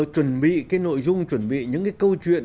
chuẩn bị cái nội dung chuẩn bị những cái câu chuyện